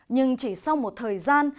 nhưng chỉ sau một thời gian